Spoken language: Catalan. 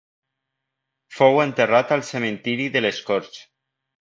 Fou enterrat al Cementiri de les Corts.